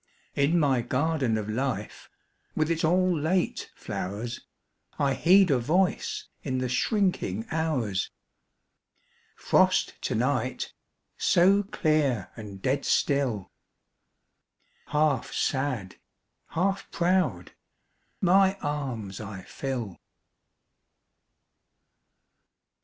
.... .In my garden of Life with its all late flowersI heed a Voice in the shrinking hours:"Frost to night—so clear and dead still" …Half sad, half proud, my arms I fill.